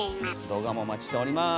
動画もお待ちしております。